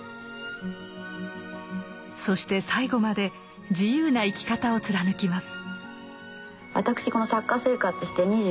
そして最後まで自由な生き方を貫きます。